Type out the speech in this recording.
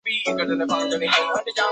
乾隆十六年二月降为四等侍卫。